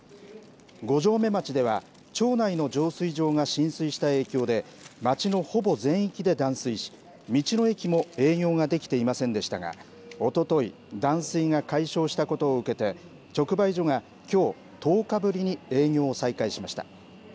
五城目町では、町内の浄水場が浸水した影響で、町のほぼ全域で断水し、道の駅も営業ができていませんでしたが、おととい、断水が解消したことを受けて、直売所がきょう、１０日ぶりに営業を再開しました。